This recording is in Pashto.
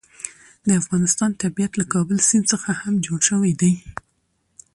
د افغانستان طبیعت له کابل سیند څخه هم جوړ شوی دی.